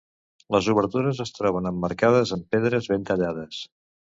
Les obertures es troben emmarcades amb pedres ben tallades.